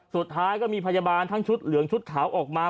สุดท้ายก็มีพยาบาลทั้งชุดเหลืองชุดขาวออกมา